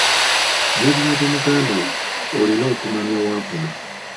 Ne bw'aba mugandawo, olina okumanya w'akoma.